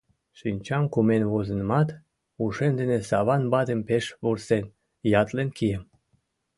Шинчам кумен возынамат, ушем дене Саван ватым пеш вурсен, ятлен кием.